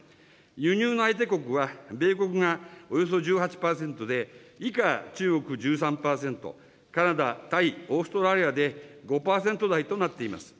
輸入の相手国は、米国がおよそ１８％で、以下中国１３％、カナダ、タイ、オーストラリアで、５％台となっています。